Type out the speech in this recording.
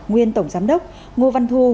nguyên tổng giám đốc ngô văn thu